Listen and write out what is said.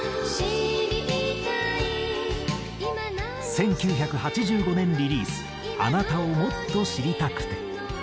１９８５年リリース『あなたを・もっと・知りたくて』。